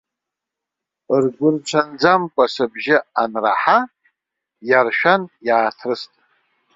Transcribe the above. Ргәырҽанӡамкәан сыбжьы анраҳа, иаршәан иааҭрыст.